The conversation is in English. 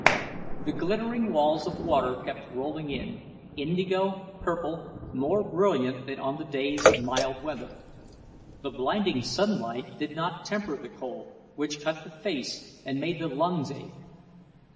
The glittering walls of water kept rolling in, indigo, purple, more brilliant than on the days of mild weather. The blinding sunlight did not temper the cold, which cut the face and made the lungs ache.